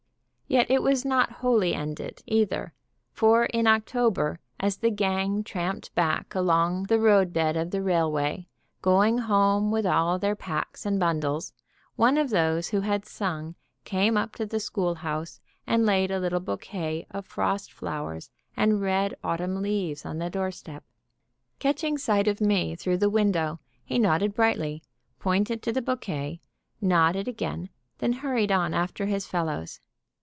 Yet it was not wholly ended, either, for in October, as the gang tramped back along the road bed of the railway, going home with all their packs and bundles, one of those who had sung came up to the schoolhouse and laid a little bouquet of frost flowers and red autumn leaves on the doorstep. Catching sight of me through the window, he nodded brightly, pointed to the bouquet, nodded again, then hurried on after his fellows.